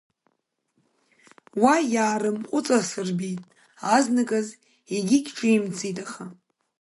Уа иаарымҟәыҵасырбеит азнаказ, егьигь ҿимҭӡеит, аха…